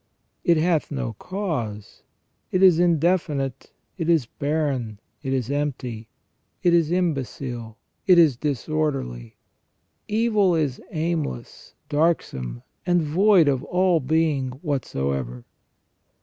It hath no cause; it is indefinite, it is barren, it is empty, it is imbecile, it is disorderly. Evil is aimless, darksome, and void of all being whatsoever."